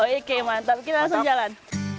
oke mantap kita langsung jalan